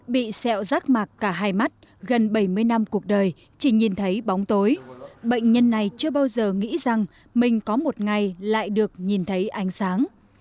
bị sẹo rác mạc cả hai mắt gần bảy mươi năm cuộc đời chỉ nhìn thấy bóng tối bệnh nhân này chưa bao giờ nghĩ rằng mình có một ngày lại được nhìn thấy ánh sáng